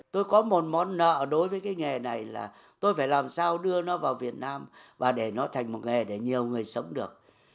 tôi có một món nợ đối với cái nghề này là tôi phải làm sao đưa nó vào việt nam và để nó thành một nghề để nhiều người sống được